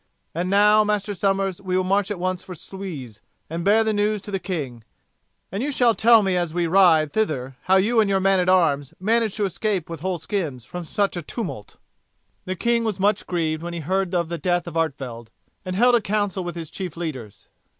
And now, Master Somers, we will march at once for Sluys and bear the news to the king, and you shall tell me as we ride thither how you and your man at arms managed to escape with whole skins from such a tumult." The king was much grieved when he heard of the death of Artevelde, and held a council with his chief leaders.